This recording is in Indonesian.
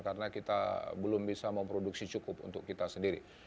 karena kita belum bisa memproduksi cukup untuk kita sendiri